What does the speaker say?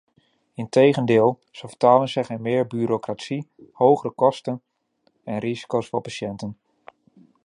In tegendeel: ze vertalen zich in meer bureaucratie, hogere kosten en risico's voor patiënten.